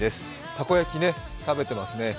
たこ焼き食べてますね。